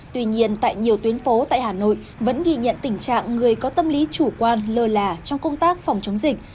tuy nhiên tại nhiều tuyến phố tại hà nội vẫn ghi nhận tình trạng người có tâm lý chủ quan lơ là trong công tác phòng chống dịch